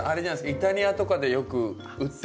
イタリアとかでよく売ってる。